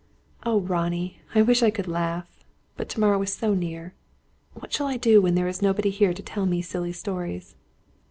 "Oh, Ronnie, I wish I could laugh! But to morrow is so near. What shall I do when there is nobody here to tell me silly stories?"